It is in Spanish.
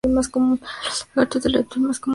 Los lagartos son el reptil más común en Catar.